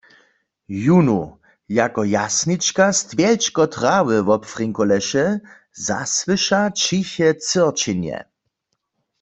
Jónu, jako Jasnička stwjelčko trawy wobfrinkoleše, zasłyša ćiche cyrčenje.